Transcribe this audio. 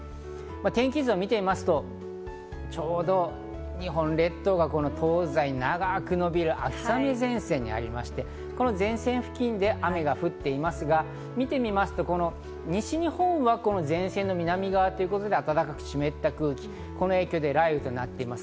天気図を見てみますと、ちょうど日本列島が東西に長く伸びる秋雨前線がありまして、この前線付近で雨が降っていますが、見てみますと西日本はこの前線の南側ということで暖かく湿った空気、この影響で雷雨となっています。